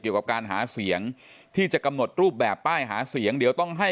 เกี่ยวกับการหาเสียงที่จะกำหนดรูปแบบป้ายหาเสียงเดี๋ยวต้องให้